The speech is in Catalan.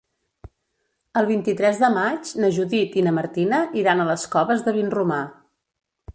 El vint-i-tres de maig na Judit i na Martina iran a les Coves de Vinromà.